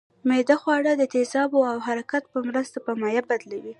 معده خواړه د تیزابو او حرکت په مرسته په مایع بدلوي